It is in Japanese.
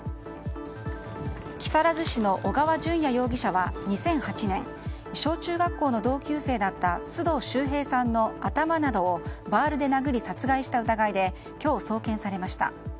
木更津市の小川順也容疑者は２００８年小中学校の同級生だった須藤秀平さんのバールで殴り殺害した疑いで今日、送検されました。